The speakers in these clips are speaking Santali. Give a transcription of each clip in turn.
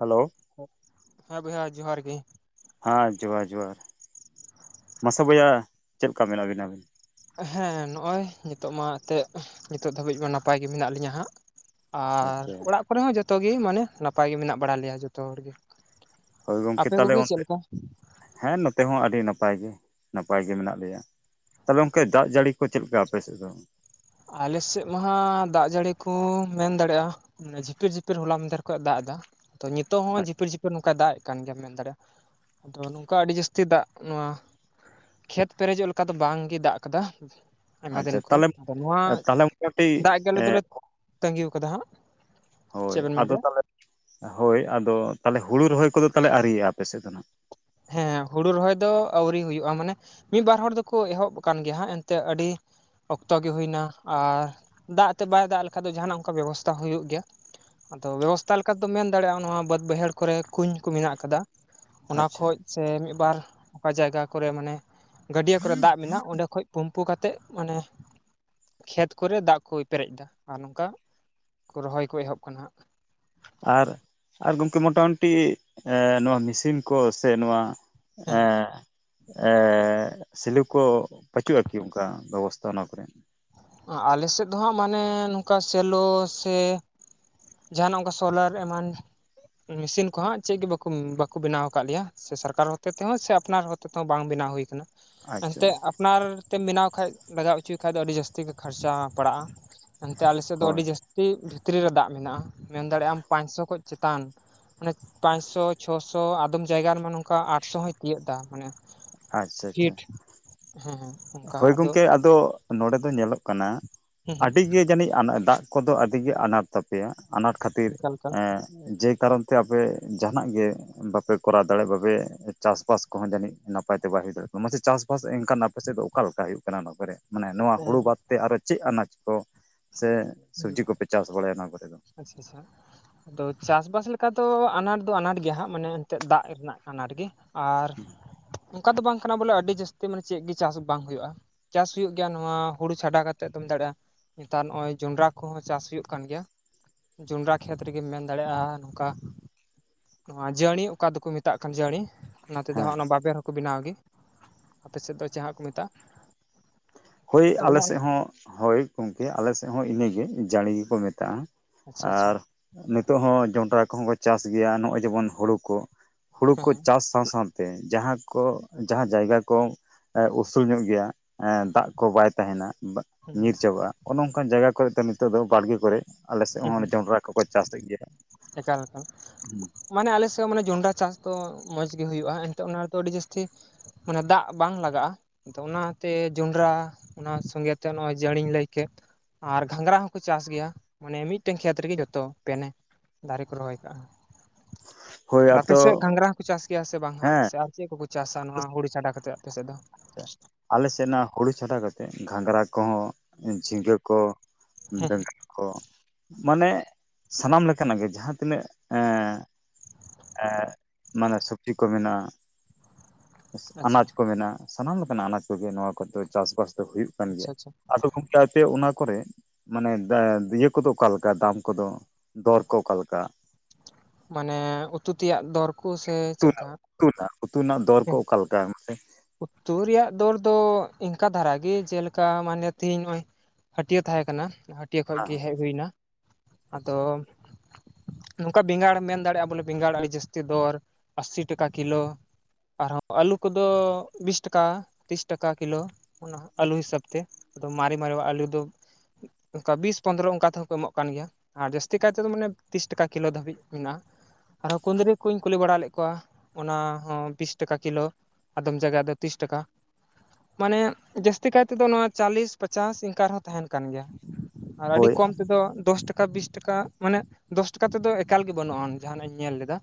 ᱦᱮᱞᱳ ᱦᱮᱸ ᱵᱚᱭᱦᱟ ᱡᱚᱦᱟᱨ ᱜᱤ᱾ ᱦᱮᱸ ᱡᱚᱸᱦᱟᱨ ᱡᱚᱸᱦᱟᱨ ᱢᱟᱥᱮ ᱵᱚᱭᱟ ᱪᱮᱫ ᱞᱮᱠᱟ ᱢᱮᱱᱟᱜ ᱵᱤᱱᱟ ᱟᱵᱮᱱ? ᱦᱮᱸ ᱱᱚᱜᱼᱚᱭ ᱱᱤᱛᱚᱜ ᱢᱟ ᱮᱱᱛᱮᱜ ᱱᱤᱛᱚᱜ ᱫᱷᱟᱹᱵᱤᱡ ᱢᱟ ᱱᱟᱯᱟᱭ ᱜᱮ ᱢᱮᱱᱟᱜ ᱞᱤᱧᱟᱹ ᱦᱟᱸᱜ᱾ ᱟᱨ ᱟᱪᱪᱷᱟ ᱚᱲᱟᱜ ᱠᱚᱨᱮ ᱦᱚᱸ ᱡᱚᱛᱚ ᱜᱤ ᱢᱟᱱᱮ ᱱᱟᱯᱟᱭ ᱜᱮ ᱢᱮᱱᱟᱜ ᱵᱟᱲᱟ ᱞᱮᱭᱟ ᱡᱚᱛᱚ ᱦᱚᱲ ᱜᱮ᱾ ᱦᱳᱭ ᱜᱚᱢᱠᱮ ᱟᱯᱮ ᱛᱟᱦᱚᱞᱮ ᱠᱚᱜᱮ ᱪᱮᱫ ᱚᱱᱛᱮ ᱞᱮᱠᱟ? ᱦᱮᱸ ᱱᱚᱛᱮ ᱦᱚᱸ ᱟᱹᱰᱤ ᱱᱟᱯᱟᱭ ᱜᱮ ᱱᱟᱯᱟᱭ ᱜᱮ ᱢᱮᱱᱟᱜ ᱞᱮᱭᱟ᱾ ᱛᱟᱦᱚᱸᱞᱮ ᱜᱚᱝᱠᱮ ᱫᱟᱜ ᱡᱟᱹᱲᱤ ᱠᱚ ᱪᱮᱫ ᱞᱮᱠᱟ ᱟᱯᱮᱥᱮᱜ ᱫᱚ? ᱟᱞᱮᱥᱮᱜ ᱢᱟ ᱦᱟᱸᱜ ᱫᱟᱜ ᱡᱟᱹᱲᱤ ᱠᱚ ᱢᱮᱱ ᱫᱟᱲᱮᱭᱟᱜᱼᱟ ᱡᱷᱤᱯᱤᱨ ᱡᱷᱤᱯᱤᱨ ᱦᱚᱞᱟ ᱢᱟᱫᱷᱮᱨ ᱫᱟᱜ ᱮᱫᱟ ᱛᱚ ᱱᱤᱛᱚᱜ ᱦᱚᱸ ᱡᱷᱤᱯᱤᱨ ᱡᱷᱤᱯᱤ ᱱᱚᱝᱠᱟ ᱫᱟᱜ ᱮ ᱠᱟᱱ ᱜᱮᱭᱟᱢ ᱢᱮᱱ ᱫᱟᱲᱮᱭᱟᱜᱼᱟ ᱟᱫᱚ ᱱᱚᱝᱠᱟ ᱟᱹᱰᱤ ᱡᱟᱹᱥᱛᱤ ᱫᱟᱜ ᱱᱚᱣᱟ ᱠᱷᱮᱛ ᱯᱮᱨᱮᱡᱚᱜ ᱞᱮᱠᱟ ᱫᱚ ᱵᱟᱝ ᱜᱮ ᱫᱟᱜ ᱠᱟᱫᱟ ᱟᱭᱢᱟ ᱟᱪᱪᱷᱟ ᱫᱤᱱ ᱠᱷᱚᱡ ᱛᱟᱦᱚᱞᱮ ᱱᱚᱣᱟ ᱛᱟᱦᱚᱞᱮ ᱢᱚᱴᱟᱢᱩᱴᱤ ᱫᱟᱜ ᱜᱮ ᱟᱞᱮ ᱫᱚᱞᱮ ᱮᱸ ᱛᱟᱹᱜᱤ ᱟᱠᱟᱫᱟ ᱦᱟᱸᱜ ᱪᱮᱫ ᱦᱳᱭ ᱵᱮᱱ ᱢᱮᱱ ᱟᱫᱚ ᱠᱮᱫᱟ ᱛᱟᱦᱚᱞᱮ ᱦᱳᱭ ᱟᱫᱚ ᱛᱟᱦᱚᱞᱮ ᱦᱩᱲᱩ ᱨᱚᱦᱚᱭ ᱠᱚᱫᱚ ᱛᱟᱦᱚᱞᱮ ᱟᱣᱨᱤᱭᱟᱜᱼᱟ ᱟᱯᱮ ᱥᱮᱫ ᱫᱚ ᱱᱟᱜ ᱦᱮᱸ ᱦᱩᱲᱩ ᱨᱚᱦᱚᱭ ᱫᱚ ᱟᱣᱨᱤ ᱦᱩᱭᱩᱜᱼᱟ ᱢᱟᱱᱮ ᱢᱤᱫ ᱵᱟᱨ ᱦᱚᱲ ᱫᱚᱠᱚ ᱮᱦᱚᱵ ᱠᱟᱱ ᱜᱮ ᱦᱟᱸᱜ ᱮᱱᱛᱮ ᱟᱹᱰᱤ ᱚᱠᱛᱚ ᱜᱮ ᱦᱩᱭᱱᱟ ᱟᱨ ᱫᱟᱜ ᱛᱮᱫ ᱵᱟᱭ ᱫᱟᱜ ᱞᱮᱠᱷᱟᱡ ᱫᱚ ᱡᱟᱦᱟᱸᱱᱟᱜ ᱚᱱᱠᱟ ᱵᱮᱵᱚᱥᱛᱷᱟ ᱦᱩᱭᱩᱜ ᱜᱮᱭᱟ ᱟᱫᱚ ᱵᱮᱵᱚᱥᱛᱟ ᱞᱮᱠᱟ ᱫᱚᱢ ᱢᱮᱱ ᱫᱟᱲᱮᱭᱟᱜᱼᱟ ᱱᱚᱣᱟ ᱵᱟᱹᱫ ᱵᱟᱹᱭᱦᱟᱹᱲ ᱠᱚᱨᱮ ᱠᱩᱧ ᱠᱚ ᱢᱮᱱᱟᱜ ᱟᱠᱟᱫᱟ᱾ ᱚᱱᱟ ᱟᱪᱪᱷᱟ ᱠᱷᱚᱡ ᱥᱮ ᱢᱤᱫ ᱵᱟᱨ ᱚᱠᱟ ᱡᱟᱭᱜᱟ ᱠᱚᱨᱮ ᱢᱟᱱᱮ ᱜᱟᱹᱰᱤᱭᱟᱹ ᱠᱚᱨᱮ ᱫᱟᱜ ᱢᱮᱱᱟᱜᱼᱟ ᱚᱸᱰᱮ ᱠᱷᱚᱡ ᱯᱩᱱ ᱯᱩ ᱠᱟᱛᱮᱜ ᱢᱟᱱᱮ ᱠᱷᱮᱛ ᱠᱚᱨᱮ ᱫᱟᱜ ᱠᱚ ᱯᱮᱨᱮᱡ ᱫᱟ, ᱟᱨ ᱱᱚᱝᱠᱟ ᱨᱚᱦᱚᱭ ᱠᱚ ᱮᱦᱚᱵ ᱠᱟᱱᱟ ᱦᱟᱸᱜ᱾ ᱟᱨ ᱟ ᱜᱚᱢᱠᱮ ᱢᱚᱴᱟᱢᱩᱴᱤ ᱱᱚᱣᱟ ᱢᱮᱥᱤᱱ ᱠᱚ ᱥᱮ ᱱᱚᱣᱟ ᱦᱮᱸ ᱮᱸ ᱮᱻᱮ ᱥᱤᱞᱩ ᱠᱚ ᱵᱟᱹᱪᱩᱜᱼᱟ ᱠᱤ ᱚᱱᱠᱟ ᱵᱮᱵᱚᱥᱛᱷᱟ ᱚᱱᱟ ᱠᱚᱨᱮ? ᱟᱞᱮ ᱥᱮᱜ ᱫᱚ ᱦᱟᱸᱜ ᱢᱟᱱᱮ ᱱᱚᱝᱠᱟ ᱥᱮᱞᱚ ᱥᱮ ᱡᱟᱦᱟᱸᱱᱟᱜ ᱚᱱᱠᱟ ᱥᱳᱞᱟᱨ ᱮᱢᱟᱱ ᱢᱮᱥᱤᱱ ᱠᱚ ᱦᱟᱸᱜ ᱪᱮᱫ ᱜᱮ ᱵᱟᱠᱩ ᱵᱟᱠᱩ ᱵᱮᱱᱟᱣ ᱠᱟᱜ ᱞᱮᱭᱟ ᱥᱮ ᱥᱚᱨᱠᱟᱨ ᱦᱚᱛᱮ ᱛᱮᱦᱚᱸ ᱥᱮ ᱟᱯᱱᱟᱨ ᱦᱚᱛᱮ ᱛᱮᱦᱚᱸ ᱵᱟᱝ ᱵᱮᱱᱟᱣ ᱦᱩᱭ ᱠᱟᱱᱟ ᱟᱪᱪᱷᱟ ᱮᱱᱛᱮᱜ ᱟᱯᱱᱟᱨ ᱛᱮᱢ ᱵᱮᱱᱟᱣ ᱠᱷᱟᱡ ᱞᱟᱜᱟᱣ ᱦᱚᱪᱚᱭᱮ ᱠᱷᱟᱱ ᱟᱹᱰᱤ ᱡᱟᱹᱥᱛᱤ ᱜᱮ ᱠᱷᱟᱨᱪᱟ ᱯᱟᱲᱟᱜᱼᱟ ᱮᱱᱛᱮ ᱟᱞᱮ ᱥᱮᱫ ᱫᱚ ᱦᱳᱭ ᱟᱹᱰᱤ ᱡᱟᱹᱥᱛᱤ ᱟᱹᱰᱤ ᱵᱷᱤᱛᱨᱤ ᱨᱮ ᱫᱟᱜ ᱢᱮᱱᱟᱜᱼᱟ ᱢᱮᱱ ᱫᱟᱲᱮᱭᱟᱜᱼᱟ ᱟᱢ ᱯᱟᱸᱪᱥᱚ ᱠᱷᱚᱱ ᱪᱮᱛᱟᱱ ᱟᱱᱮ ᱯᱟᱸᱪᱥᱚ ᱪᱷᱚᱥᱚ ᱟᱫᱚ ᱟᱫᱚᱢ ᱡᱟᱭᱜᱟ ᱨᱮᱢᱟ ᱱᱚᱝᱠᱟ ᱟᱴᱥᱚ ᱦᱚᱭ ᱛᱤᱭᱳᱜ ᱫᱟ ᱢᱟᱱᱮ ᱟᱪᱪᱷᱟ ᱟᱪᱪᱷᱟ ᱯᱷᱤᱴ ᱦᱮᱸ ᱦᱮᱸ ᱦᱳᱭ ᱜᱚᱝᱠᱮ ᱟᱫᱚ ᱱᱚᱰᱮ ᱫᱚ ᱧᱮᱞᱚᱜ ᱠᱟᱱᱟ ᱦᱮᱸ ᱦᱮᱸ ᱟᱹᱰᱤ ᱜᱮ ᱡᱟᱹᱱᱤᱡ [inaudible] ᱫᱟᱜ ᱠᱚᱫᱚ ᱟᱹᱰᱤ ᱜᱮ ᱟᱱᱟᱴ ᱛᱟᱯᱮᱭᱟ ᱟᱱᱟᱴ ᱠᱷᱟᱹᱛᱤᱨ ᱚᱱᱠᱟ ᱞᱮᱠᱟ ᱡᱮ ᱠᱟᱨᱚᱱ ᱛᱮ ᱟᱯᱮ ᱡᱟᱦᱟᱸᱱᱟᱜ ᱜᱮ ᱵᱟᱯᱮ ᱠᱚᱨᱟᱣ ᱫᱟᱲᱮᱜ ᱵᱟᱯᱮ ᱪᱟᱥᱵᱟᱥ ᱠᱚᱦᱚᱸ ᱡᱟᱹᱱᱤᱡ ᱱᱟᱯᱟᱭ ᱛᱮ ᱵᱟᱭ ᱦᱩᱭ ᱫᱟᱲᱮᱜ [inaudible] ᱢᱟᱥᱮ ᱪᱟᱥᱵᱟᱥ ᱮᱱᱠᱷᱟᱱ ᱱᱟᱯᱟᱭ ᱯᱟᱥᱮᱡ ᱫᱚ ᱚᱠᱟ ᱞᱮᱠᱟ ᱦᱩᱭᱩᱜ ᱠᱟᱱᱟ ᱱᱚᱣᱟ ᱠᱚᱨᱮ ᱢᱟᱱᱮ ᱱᱚᱣᱟ ᱦᱩᱲᱩ ᱵᱟᱫ ᱛᱮ ᱟᱨᱚ ᱪᱮᱫ ᱟᱱᱟᱡ ᱠᱚ ᱥᱮ ᱥᱚᱵᱡᱤ ᱠᱚᱯᱮ ᱪᱟᱥ ᱵᱟᱲᱟᱭᱟ ᱚᱱᱟ ᱠᱚᱨᱮ ᱫᱚ ᱟᱪᱪᱷᱟ ᱟᱪᱪᱷᱟ ᱟᱫᱚ ᱪᱟᱥᱵᱟᱥ ᱞᱮᱠᱟ ᱫᱚ ᱟᱱᱟᱴ ᱫᱚ ᱟᱱᱟᱴ ᱜᱮᱭᱟ ᱦᱟᱸᱜ ᱢᱟᱱᱮ ᱮᱱᱛᱮᱜ ᱫᱟᱜ ᱨᱮᱱᱟᱜ ᱟᱱᱟᱴ ᱜᱮ ᱟᱨ ᱚᱱᱠᱟ ᱫᱚ ᱵᱟᱝ ᱠᱟᱱᱟ ᱵᱚᱞᱮ ᱟᱹᱰᱤ ᱡᱟᱹᱥᱛᱤ ᱢᱟᱱᱮ ᱪᱮᱫ ᱜᱮ ᱪᱟᱥ ᱵᱟᱝ ᱦᱩᱭᱩᱜᱼᱟ ᱪᱟᱥ ᱦᱩᱭᱩᱜ ᱜᱮᱭᱟ ᱱᱚᱣᱟ ᱦᱩᱲᱩ ᱪᱷᱟᱰᱟ ᱠᱟᱛᱮᱜ ᱫᱚᱢ ᱫᱟᱲᱮᱭᱟᱜᱼᱟ ᱱᱮᱛᱟᱨ ᱱᱚᱜᱼᱚᱭ ᱡᱚᱸᱰᱨᱟ ᱠᱚᱦᱚᱸ ᱪᱟᱥ ᱦᱩᱭᱩᱜ ᱠᱟᱱ ᱜᱮᱭᱟ ᱡᱚᱸᱰᱨᱟ ᱠᱷᱮᱛ ᱨᱮᱜᱮᱢ ᱢᱮᱱ ᱫᱟᱲᱮᱭᱟᱜᱼᱟ ᱱᱚᱝᱠᱟ ᱱᱚᱣᱟ ᱡᱟᱹᱲᱤ ᱚᱠᱟ ᱫᱚᱠᱚ ᱢᱮᱛᱟᱜ ᱠᱟᱱ ᱡᱟᱹᱲᱤ ᱚᱱᱟ ᱛᱮᱫᱚ ᱦᱮᱸ ᱦᱟᱸᱜ ᱚᱱᱟ ᱵᱟᱵᱮᱨ ᱦᱚᱸᱠᱚ ᱵᱮᱱᱟᱣ ᱜᱮ ᱟᱯᱮ ᱥᱮᱫ ᱫᱚ ᱪᱮᱫ ᱦᱟᱸᱜ ᱠᱚ ᱢᱮᱛᱟᱜ ᱦᱳᱭ ᱟᱞᱮ ᱥᱮᱫ ᱦᱚᱸ ᱦᱳᱭ ᱜᱚᱝᱠᱮ ᱟᱞᱮ ᱥᱮᱫ ᱦᱚᱸ ᱤᱱᱟᱹᱜᱮ ᱡᱟᱹᱲᱤ ᱜᱮᱠᱚ ᱢᱮᱛᱟᱜᱼᱟ ᱟᱪᱪᱷᱟ ᱟᱪᱪᱷᱟ ᱟᱨ ᱱᱤᱛᱚᱜ ᱦᱚᱸ ᱡᱚᱱᱰᱨᱟ ᱠᱚᱦᱚᱸ ᱠᱚ ᱪᱟᱥ ᱜᱮᱭᱟ ᱱᱚᱜᱼᱚᱭ ᱡᱮᱢᱚᱱ ᱦᱩᱲᱩ ᱠᱚ ᱦᱩᱲᱩ ᱦᱮᱸ ᱠᱚ ᱪᱟᱥ ᱥᱟᱶ ᱥᱟᱶ ᱛᱮ ᱡᱟᱦᱟᱸ ᱠᱚ ᱡᱟᱦᱟᱸ ᱡᱟᱭᱜᱟ ᱠᱚ ᱩᱥᱩᱞ ᱧᱚᱜ ᱜᱮᱭᱟ ᱮ ᱫᱟᱜ ᱠᱚ ᱵᱟᱭ ᱛᱟᱦᱮᱱᱟ ᱦᱮᱸ ᱧᱤᱨ ᱪᱟᱵᱟᱜᱼᱟ ᱚᱱᱮ ᱚᱱᱠ ᱡᱟᱭᱜᱟ ᱠᱚᱨᱮ ᱫᱚ ᱱᱤᱛᱚᱜ ᱫᱚ ᱵᱟᱲᱜᱮ ᱠᱚᱨᱮ ᱟᱞᱮ ᱥᱮᱫ ᱦᱮᱸ ᱦᱚᱸ ᱦᱮᱸ ᱡᱚᱱᱰᱨᱟ ᱠᱚᱠᱚ ᱪᱟᱥᱮᱫ ᱜᱮᱭᱟ᱾ ᱮᱠᱟᱞ ᱮᱠᱟᱞ ᱢᱟᱱᱮ ᱟᱞᱮ ᱥᱮᱫ ᱢᱟᱱᱮ ᱡᱚᱸᱰᱨᱟ ᱪᱟᱥ ᱫᱚ ᱢᱚᱸᱡᱽ ᱜᱮ ᱦᱩᱭᱩᱜᱼᱟ ᱮᱱᱛᱮᱜ ᱚᱱᱟ ᱨᱮᱫᱚ ᱟᱹᱰᱤ ᱡᱟᱹᱥᱛᱤ ᱢᱟᱱᱮ ᱫᱟᱜ ᱵᱟᱝ ᱞᱟᱜᱟᱜᱼᱟ ᱟᱫᱚ ᱚᱱᱟᱛᱮ ᱡᱚᱸᱰᱨᱟ ᱚᱱᱟ ᱥᱚᱸᱜᱮᱛᱮ ᱱᱚᱜᱼᱚᱭ ᱡᱟᱹᱲᱤᱧ ᱞᱟᱹᱭ ᱠᱮᱫ ᱟᱨ ᱜᱷᱟᱸᱜᱨᱟ ᱦᱚᱸ ᱠᱚ ᱪᱟᱥ ᱜᱮᱭᱟ ᱢᱟᱱᱮ ᱢᱤᱫᱴᱮᱱ ᱠᱷᱮᱛ ᱨᱮᱜᱮ ᱡᱚᱛᱚ ᱯᱮᱱᱮ ᱫᱟᱨᱮ ᱠᱚ ᱨᱚᱦᱚᱭ ᱠᱟᱜᱼᱟ ᱦᱳᱭ ᱟᱯᱮ ᱟᱫᱚ ᱥᱮᱫ ᱜᱷᱟᱸᱜᱨᱟ ᱦᱚᱸᱠᱚ ᱪᱟᱥ ᱜᱮᱭᱟ ᱥᱮ ᱵᱟᱝ ᱦᱟᱸᱜ ᱦᱮᱸ ᱥᱮ ᱪᱮᱫ ᱠᱚᱠᱚ ᱪᱟᱥᱟ ᱱᱚᱣᱟ ᱦᱳᱲᱳ ᱪᱷᱟᱰᱟ ᱠᱟᱛᱮᱫ ᱟᱯᱮᱥᱮᱫ ᱫᱚ ᱟᱪᱪᱷᱟ ᱟᱞᱮ ᱥᱮᱫ ᱚᱱᱟ ᱦᱩᱲᱩ ᱪᱷᱟᱰᱟᱣ ᱠᱟᱛᱮᱫ, ᱜᱷᱟᱸᱜᱽᱨᱟ ᱠᱚᱦᱚᱸ ᱡᱷᱤᱸᱜᱟᱹ ᱠᱚ ᱦᱮᱸ ᱦᱮᱸ [inaudible] ᱢᱟᱱᱮ ᱥᱟᱱᱟᱢ ᱞᱮᱠᱟᱱᱟᱜ ᱜᱮ ᱡᱟᱦᱟᱸ ᱛᱤᱱᱟᱹᱜ ᱢᱟᱱᱮ ᱥᱚᱵᱡᱤ ᱠᱚ ᱢᱮᱱᱟᱜᱼᱟ ᱟᱪᱪᱷᱟ ᱟᱱᱟᱡ ᱠᱚ ᱢᱮᱱᱟᱜᱼᱟ ᱥᱟᱱᱟᱢ ᱞᱮᱠᱟᱱᱟᱜ ᱟᱱᱟᱡ ᱠᱚᱜᱮ ᱱᱚᱣᱟ ᱠᱚ ᱫᱚ ᱪᱟᱥᱵᱟᱥ ᱫᱚ ᱦᱩᱭᱩᱜ ᱠᱟᱱ ᱟᱪᱪᱷᱟ ᱜᱮᱭᱟ ᱟᱪᱪᱷᱟ ᱟᱫᱚ ᱜᱚᱢᱠᱮ ᱚᱱᱟ ᱠᱚᱨᱮ ᱢᱟᱱᱮ ᱤᱭᱟᱹ ᱠᱚᱫᱚ ᱚᱠᱟᱞᱮᱠᱟ ᱫᱟᱢ ᱠᱚᱫᱚ ᱫᱚᱨᱠᱚ ᱚᱠᱟᱞᱮᱠᱟ? ᱢᱟᱱᱮ ᱩᱛᱩ ᱛᱮᱭᱟᱜ ᱫᱚᱨᱠᱚ ᱥᱮ ᱩᱛᱩ ᱪᱮᱫ ᱞᱮᱠᱟ? ᱨᱮᱱᱟᱜ ᱩᱛᱩ ᱨᱮᱱᱟᱜ, ᱩᱛᱩ ᱨᱮᱱᱟᱜ ᱫᱚᱨᱠᱚ ᱦᱮᱸ ᱚᱠᱟ ᱞᱮᱠᱟ ᱩᱛᱩ ᱨᱮᱭᱟᱜ ᱫᱚᱨ ᱫᱚ ᱤᱱᱠᱟ ᱫᱷᱟᱨᱟ ᱜᱮ ᱡᱮᱞᱮᱠᱟ ᱢᱟᱱᱮ ᱛᱮᱦᱤᱧ ᱱᱚᱜᱼᱚᱭ ᱦᱟᱹᱴᱭᱟᱹ ᱛᱟᱦᱮᱸ ᱠᱟᱱᱟ ᱦᱟᱹᱴᱭᱟᱹ ᱦᱮᱸ ᱠᱷᱚᱡᱜᱮ ᱦᱮᱡ ᱦᱩᱭ ᱮᱱᱟ ᱟᱫᱚ ᱟᱪᱪᱷᱟ ᱱᱚᱝᱠᱟ ᱵᱮᱸᱜᱟᱲ ᱢᱮᱱ ᱫᱟᱲᱮᱭᱟᱜᱼᱟ ᱵᱚᱞᱮ ᱵᱮᱸᱜᱟᱲ ᱟᱹᱰᱤ ᱡᱟᱹᱥᱛᱤ ᱫᱚᱨ ᱟᱥᱤ ᱴᱟᱠᱟ ᱠᱤᱞᱳ ᱟᱨᱦᱚᱸ ᱟᱹᱞᱩ ᱠᱚᱫᱚ ᱵᱤᱥ ᱴᱟᱠᱟ ᱛᱤᱨᱤᱥ ᱴᱟᱠᱟ ᱠᱤᱞᱳ ᱚᱱᱟ ᱟᱹᱞᱩ ᱦᱤᱥᱟᱹᱵ ᱛᱮ ᱟᱫᱚ ᱢᱟᱨᱮ ᱢᱟᱨᱮ ᱟᱹᱞᱩ ᱫᱚ ᱚᱱᱠᱟ ᱵᱤᱥ ᱯᱚᱸᱫᱽᱨᱚ ᱚᱱᱠᱟ ᱛᱮᱦᱚᱸ ᱠᱚ ᱮᱢᱚᱜ ᱠᱟᱱ ᱜᱮᱭᱟ ᱟᱨ ᱡᱟᱹᱥᱛᱤ ᱠᱟᱭ ᱛᱮᱫᱚ ᱟᱪᱪᱷᱟ ᱢᱟᱱᱮ ᱟᱪᱪᱷᱟ ᱛᱤᱥ ᱴᱟᱠᱟ ᱠᱤᱞᱳ ᱫᱷᱟᱹᱵᱤᱡ ᱢᱮᱱᱟᱜᱼᱟ ᱟᱨᱦᱚᱸ ᱠᱩᱸᱫᱽᱨᱤ ᱠᱩᱧ ᱠᱩᱞᱤ ᱵᱟᱲᱟ ᱞᱮᱫ ᱠᱚᱣᱟ ᱚᱱᱟ ᱦᱚᱸ ᱵᱤᱥ ᱴᱮᱠᱟ ᱠᱤᱞᱳ ᱟᱫᱚᱢ ᱡᱟᱭᱜᱟ ᱫᱚ ᱛᱤᱥ ᱴᱟᱠᱟ ᱢᱟᱱᱮ ᱡᱟᱹᱥᱛᱤ ᱠᱟᱭ ᱛᱮᱫᱚ ᱱᱚᱣᱟ ᱪᱟᱞᱤᱥ ᱯᱟᱪᱟᱥ ᱤᱱᱠᱟᱹ ᱨᱮᱦᱚᱸ ᱛᱟᱦᱮᱱ ᱠᱟᱱ ᱜᱮᱭᱟ ᱟᱨ ᱟᱹᱰᱤ ᱦᱳᱭ ᱠᱚᱢ ᱛᱮᱫᱚ ᱫᱚᱥ ᱴᱟᱠᱟ ᱵᱤᱥ ᱴᱟᱠᱟ ᱢᱟᱱᱮ ᱫᱚᱥ ᱴᱟᱠᱟ ᱛᱮᱫᱚ ᱮᱠᱟᱞ ᱜᱮ ᱵᱟᱹᱱᱩᱜᱼᱟᱱ ᱡᱟᱦᱟᱱᱟᱜ ᱤᱧ ᱧᱮᱞ ᱞᱮᱫᱟ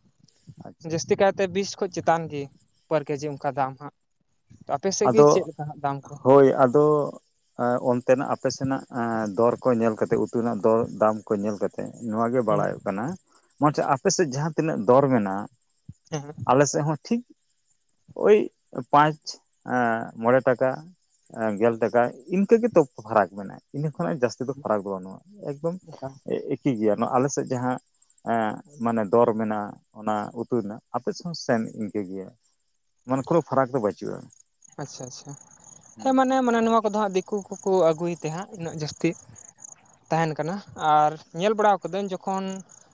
ᱟᱪᱪᱷᱟ ᱡᱟᱹᱥᱛᱤ ᱟᱪᱪᱷᱟ ᱠᱟᱭᱛᱮ ᱵᱤᱥ ᱠᱷᱚᱡ ᱪᱮᱛᱟᱱ ᱜᱤ ᱯᱟᱨ ᱠᱮᱡᱤ ᱚᱱᱠᱟ ᱫᱟᱢ ᱦᱟᱸᱜ ᱟᱯᱮ ᱥᱮᱫ ᱜᱮ ᱪᱮᱫ ᱟᱫᱚ ᱞᱮᱠᱟ ᱦᱟᱸᱜ ᱫᱟᱢ ᱠᱚ? ᱦᱳᱭ ᱟᱫᱚ ᱚᱱᱛᱮᱱᱟᱜ ᱟᱯᱮ ᱥᱮᱱᱟᱜ ᱫᱚᱨ ᱠᱚ ᱧᱮᱞ ᱠᱟᱛᱮᱜ ᱩᱛᱩ ᱨᱮᱱᱟᱜ ᱫᱚᱨ ᱫᱟᱢ ᱠᱚ ᱧᱮᱞ ᱠᱟᱛᱮ ᱱᱚᱣᱟᱜᱮ ᱦᱩᱸ ᱵᱟᱲᱟᱭ-ᱚᱜ ᱠᱟᱱᱟ ᱟᱯᱮ ᱥᱮᱫ ᱡᱟᱦᱟᱸ ᱛᱤᱱᱟᱹᱜ ᱫᱚᱨ ᱢᱮᱱᱟᱜ ᱦᱮᱸ ᱟᱞᱮᱥᱮᱫ ᱦᱚᱸ ᱴᱷᱤᱠ ᱳᱭ ᱯᱟᱸᱪ ᱢᱚᱬᱮ ᱴᱟᱠᱟ ᱜᱮᱞ ᱴᱟᱠᱟ ᱤᱱᱠᱟᱹ ᱜᱮᱛᱚ ᱯᱷᱟᱨᱟᱠ ᱢᱮᱱᱟᱜᱼᱟ ᱤᱱᱟᱹ ᱠᱷᱚᱱᱟᱜ ᱡᱟᱹᱥᱛᱤ ᱯᱷᱟᱨᱟᱠ ᱫᱚ ᱵᱟᱹᱱᱩᱜᱼᱟ ᱮᱠᱫᱚᱢ ᱚᱱᱠᱟ ᱮᱠᱤ ᱜᱮᱭᱟ ᱱᱚᱣᱟ ᱟᱞᱮᱥᱮᱫ ᱡᱟᱦᱟᱸ ᱮ ᱢᱟᱱᱮ ᱫᱚᱨ ᱢᱮᱱᱟᱜ ᱚᱱᱟ ᱩᱛᱩᱭ ᱨᱮᱱᱟᱜ ᱟᱯᱮ ᱥᱮᱱ ᱦᱚᱸ ᱥᱮᱢ ᱤᱱᱠᱟᱹ ᱜᱮᱭᱟ ᱢᱟᱱᱮ ᱠᱳᱱᱳ ᱯᱷᱟᱨᱟᱠ ᱫᱚ ᱵᱟᱹᱪᱩᱜᱼᱟ᱾ ᱟᱪᱪᱷᱟ ᱟᱪᱪᱷᱟ ᱦᱩᱸ ᱦᱮᱸ ᱢᱟᱱᱮ ᱢᱟᱱᱮ ᱱᱚᱣᱟ ᱠᱚᱫᱚ ᱦᱟᱸᱜ ᱫᱤᱠᱩ ᱠᱚᱠᱚ ᱟᱹᱜᱩᱭ ᱛᱮ ᱦᱟᱸᱜ ᱩᱱᱟᱹᱜ ᱡᱟᱹᱥᱛᱤ ᱛᱟᱦᱮᱱ ᱠᱟᱱᱟ ᱟᱨ ᱧᱮᱞ ᱵᱟᱲᱟ ᱠᱟᱹᱫᱟᱹᱧ ᱡᱚᱠᱷᱚᱱ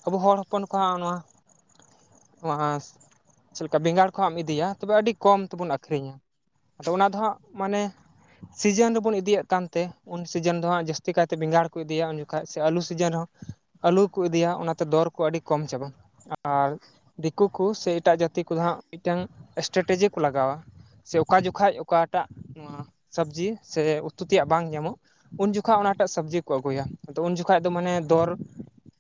ᱟᱵᱚ ᱦᱚᱲ ᱦᱚᱯᱚᱱ ᱠᱚᱦᱟᱜ ᱱᱚᱣᱟ ᱩᱸᱣᱟ ᱟᱹᱥ ᱪᱮᱜ ᱞᱮᱠᱟ ᱵᱮᱸᱜᱟᱲ ᱠᱚ ᱦᱟᱸᱜ ᱟᱢ ᱤᱫᱤᱭᱟ ᱛᱚᱵᱮ ᱟᱹᱰᱤ ᱠᱚᱢ ᱛᱮᱵᱚᱱ ᱟᱠᱷᱨᱤᱧᱟ ᱟᱫᱚ ᱚᱱᱟ ᱫᱚ ᱦᱟᱜ ᱢᱟᱱᱮ ᱥᱤᱡᱮᱱ ᱨᱮᱵᱚᱱ ᱤᱫᱤᱭᱮᱫ ᱠᱟᱱᱛᱮ ᱩᱱ ᱥᱤᱡᱮᱱ ᱫᱚ ᱦᱟᱸᱜ ᱡᱟᱹᱥᱛᱤ ᱠᱟᱭᱛᱮ ᱵᱮᱸᱜᱟᱲ ᱠᱚ ᱤᱫᱤᱭᱟ ᱩᱱ ᱡᱚᱠᱷᱟᱡ ᱥᱮ ᱟᱹᱞᱩ ᱥᱤᱡᱮᱱ ᱦᱚᱸ ᱟᱹᱞᱩ ᱠᱚ ᱤᱫᱤᱭᱟ ᱚᱱᱟᱛᱮ ᱫᱚᱨ ᱠᱚ ᱟᱹᱰᱤ ᱠᱚᱢ ᱪᱟᱵᱟ ᱟᱨ ᱫᱤᱠᱩ ᱠᱩ ᱥᱮ ᱮᱴᱟᱜ ᱡᱟᱹᱛᱤ ᱠᱚᱫᱚ ᱦᱟᱸᱜ ᱢᱤᱫᱴᱟᱝ ᱮᱥᱴᱮᱴᱮᱡᱮ ᱠᱚ ᱞᱟᱜᱟᱣᱟ ᱥᱮ ᱚᱠᱟ ᱡᱚᱠᱷᱟᱡ ᱚᱠᱟᱴᱟᱜ ᱱᱟᱣᱟ ᱥᱚᱵᱽᱡᱤ ᱥᱮ ᱩᱛᱩ ᱛᱮᱭᱟᱜ ᱵᱟᱝ ᱧᱟᱢᱚᱜ ᱩᱱ ᱡᱩᱠᱷᱟᱠ ᱚᱱᱟᱴᱟᱜ ᱥᱚᱵᱽᱡᱤ ᱠᱚ ᱟᱹᱜᱩᱭᱟ ᱱᱤᱛᱚᱜ ᱩᱱ ᱡᱚᱠᱷᱟᱡ ᱫᱚ ᱢᱟᱱᱮ ᱫᱚᱨ